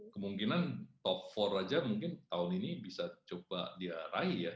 kemungkinan top empat aja mungkin tahun ini bisa coba dia raih ya